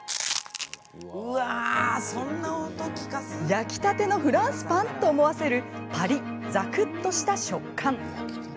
焼きたてのフランスパン？と思わせるパリッ、ザクッとした食感。